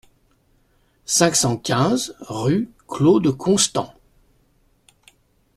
cinq cent quinze rue Claude Constant